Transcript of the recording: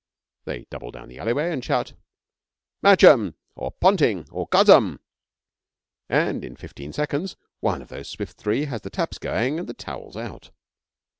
They double down the alleyway and shout, 'Matcham' or 'Ponting' or 'Guttman,' and in fifteen seconds one of those swift three has the taps going and the towels out.